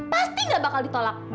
pasti gak bakal ditolak